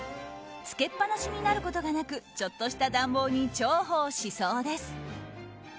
つけっぱなしになることがなくちょっとした暖房に重宝しそうです。